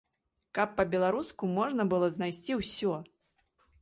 Каб па-беларуску можна было знайсці ўсё!